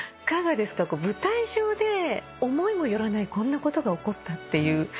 舞台上で思いも寄らないこんなことが起こったっていう。